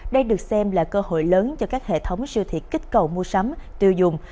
đây được xem là cơ hội lớn cho các hệ thống siêu thị kích cầu mua sắm tiêu dùng